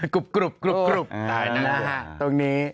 กรุบตรงนี้